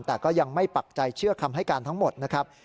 แต่ก็ยังไม่ปักใจเชื่อคำให้การทั้งหมดนะครับ